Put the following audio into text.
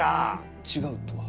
違うとは？